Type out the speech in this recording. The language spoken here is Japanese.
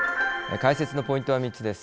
解説のポイントは３つです。